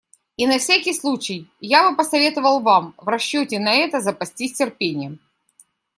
И на всякий случай я бы посоветовал вам в расчете на это запастись терпением.